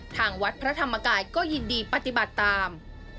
ทางวัดพระธรรมกายก็ยินดีปฏิบัติตาม